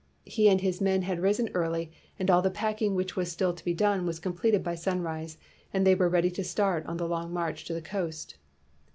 He and his men had risen early and all the packing which was still to be done was completed by sunrise, and they were ready to start on the long march to the coast.